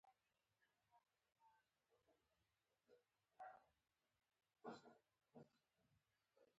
د لمسیانو د بې کفایتیو له امله.